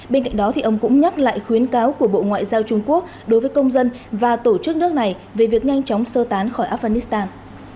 bên cạnh đó ông cũng nhắc lại khuyến cáo của bộ ngoại giao trung quốc đối với công dân và tổ chức nước này về việc nhanh chóng sơ tán khỏi afghanistan